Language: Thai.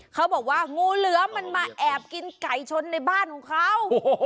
เขาบอกว่างูเหลือมันมาแอบกินไก่ชนในบ้านของเขา